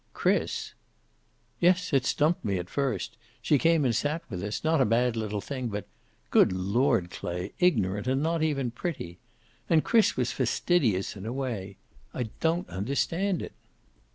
"Chris!" "Yes. It stumped me, at first. She came and sat with us, not a bad little thing, but Good Lord, Clay, ignorant and not even pretty! And Chris was fastidious, in a way. I don't understand it."